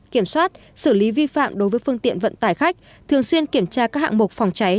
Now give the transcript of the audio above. kiểm soát xử lý vi phạm đối với phương tiện vận tải khách thường xuyên kiểm tra các hạng mục phòng cháy